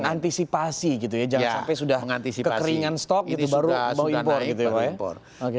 antisipasi gitu ya jangan sampai sudah kekeringan stok gitu baru mau impor gitu ya pak ya